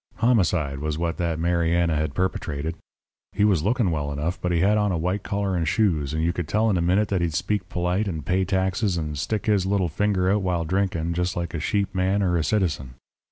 "Homicide was what that Mariana had perpetrated. He was looking well enough, but he had on a white collar and shoes, and you could tell in a minute that he'd speak polite and pay taxes and stick his little finger out while drinking, just like a sheep man or a citizen.